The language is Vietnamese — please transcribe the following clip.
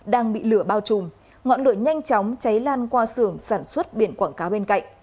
đang bị lửa bao trùm ngọn lửa nhanh chóng cháy lan qua xưởng sản xuất biển quảng cáo bên cạnh